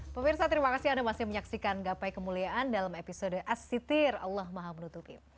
pemirsa terima kasih anda masih menyaksikan gapai kemuliaan dalam episode as sitir allah maha menutupi